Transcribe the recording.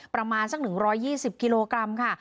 ประมาณสัก๑๒๐กิโลกรัมค่ะ